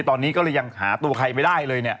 ตอนนี้ก็เลยยังหาตัวใครไม่ได้เลยเนี่ย